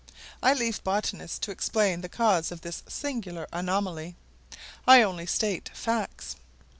I leave botanists to explain the cause of this singular anomaly; I only state facts.